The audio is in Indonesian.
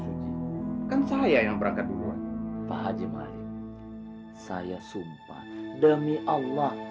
suci kan saya yang berangkat duluan pak haji mari saya sumpah demi allah